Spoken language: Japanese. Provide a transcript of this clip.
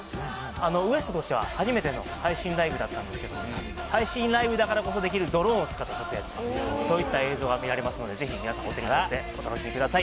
あのＷＥＳＴとしては初めての配信ライブだったんですけど配信ライブだからこそできるドローンを使った撮影とかそういった映像が見られますのでぜひ皆さんお手に取ってお楽しみください